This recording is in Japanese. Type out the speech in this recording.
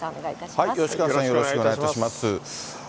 吉川さん、よろしくお願いいたします。